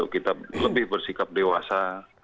kita lebih bersikap dewasa